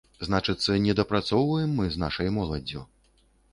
Значыцца, недапрацоўваем мы з нашай моладдзю.